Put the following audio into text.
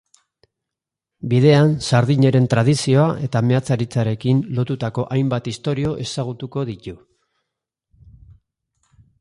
Bidean, sardineren tradizioa eta meatzaritzarekin lotutako hainbat istorio ezagutuko ditu.